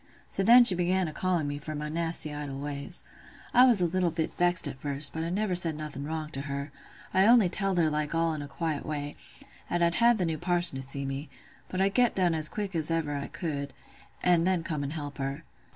So then she began a calling me for my nasty idle ways. I was a little bit vexed at first, but I never said nothing wrong to her: I only telled her like all in a quiet way, 'at I'd had th' new parson to see me; but I'd get done as quick as ever I could, an' then come an' help her.